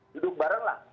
duduk bareng lah